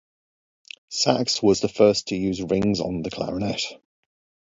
Sax was the first to use ring keys on the clarinet.